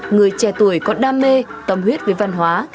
người trẻ tuổi có đam mê tâm huyết với văn hóa